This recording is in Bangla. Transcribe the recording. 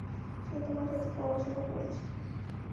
সে তোমার সাথে পড়াশোনা করেছে।